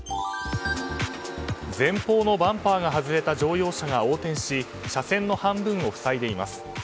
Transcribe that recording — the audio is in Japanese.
前方のバンパーが外れた乗用車が横転し車線の半分をふさいでいます。